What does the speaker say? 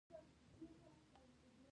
خبرې ولې کمې کړو؟